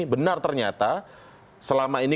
benar ternyata selama ini